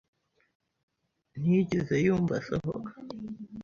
ntiyigeze yumva asohoka.